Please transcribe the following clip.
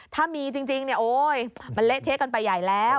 ถ้ามีจริงเนี่ยโอ๊ยมันเละเทะกันไปใหญ่แล้ว